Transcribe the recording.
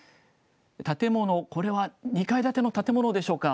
建物、これは２階建ての建物でしょうか。